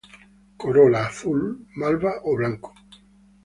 Corola; azul, malva o blanco.